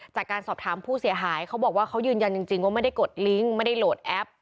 จากการสอบถามผู้เสียหายเขาบอกว่าเขายืนยันจริงว่าไม่ได้กดลิงก์ไม่ได้โหลดแอป